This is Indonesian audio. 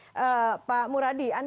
oke pak muradi